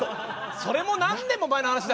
それも何年も前の話だから！